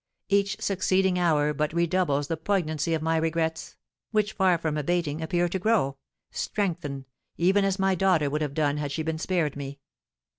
Each succeeding hour but redoubles the poignancy of my regrets, which, far from abating, appear to grow, strengthen, even as my daughter would have done had she been spared me.